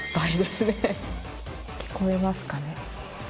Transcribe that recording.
聞こえますかね？